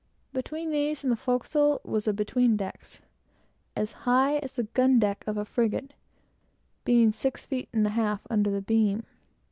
Between these and the forecastle was the "between decks," as high as the gun deck of a frigate; being six feet and a half, under the beams.